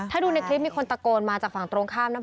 ถ้าดูในคลิปมีคนตะโกนมาจากฝั่งตรงข้ามนะ